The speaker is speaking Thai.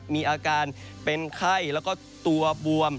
มีอาการเป็นไข้แล้วก็ตัวบวม